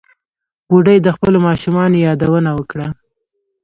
بوډۍ د خپلو ماشومانو یادونه وکړه.